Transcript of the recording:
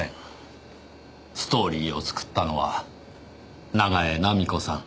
ストーリーを作ったのは長江菜美子さん